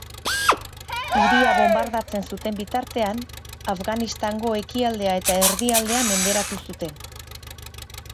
Hiria bonbardatzen zuten bitartean, Afganistango ekialdea eta erdialdea menderatu zuten.